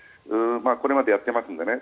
これまでやっていますのでね。